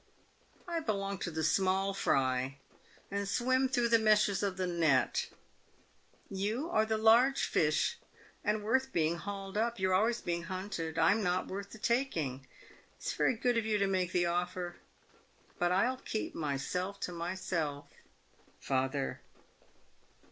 I belong to the small fry, and swim through the meshes of the net ; you are the large fish, and worth being hauled up. You're always being hunted ; I'm not worth the taking. It's very good of you to make the offer, but I'll keep myself to my self. Father.